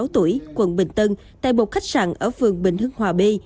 ba mươi tuổi quận bình tân tại một khách sạn ở phường bình hưng hòa b